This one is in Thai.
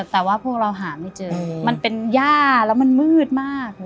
แต่ว่าพวกเราหาไม่เจอมันเป็นย่าแล้วมันมืดมาก